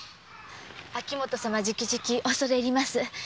秋元様じきじきに恐れ入ります。